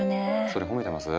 それ褒めてます？